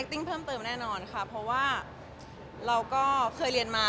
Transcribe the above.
ติ้งเพิ่มเติมแน่นอนค่ะเพราะว่าเราก็เคยเรียนมา